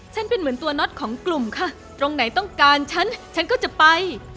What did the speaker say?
เป็นเหมือนตัวน็อตของกลุ่มค่ะตรงไหนต้องการฉันฉันก็จะไป